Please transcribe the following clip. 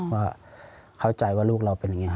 ว่าเข้าใจว่าลูกเราเป็นแบบนี้ครับ